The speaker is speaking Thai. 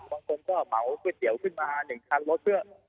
บางคนก็เหมาก๋วยเตี๋ยวขึ้นมา๑คันรถเพื่อ